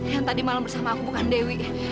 yang tadi malam bersama aku bukan dewi